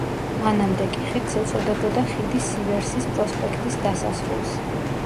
მანამდე კი ხიდს ეწოდებოდა „ხიდი სივერსის პროსპექტის დასასრულს“.